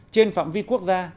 trên phạm vi quốc gia